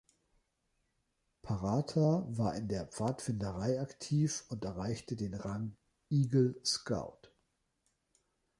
Parater war in der Pfadfinderei aktiv und erreichte den Rang Eagle Scout.